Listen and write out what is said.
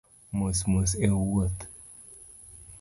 Mos mos e wuoth